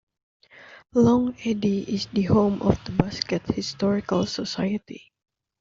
Long Eddy is the home of the Basket Historical Society.